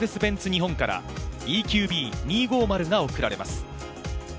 日本からＥＱＢ２５０が贈られます。